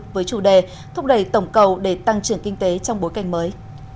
với chủ đề thúc đẩy tổng cầu để tăng trưởng kinh tế trong bối cảnh mới